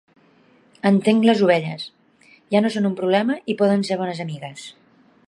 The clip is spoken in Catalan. Entenc les ovelles; ja no són un problema i poden ser bones amigues.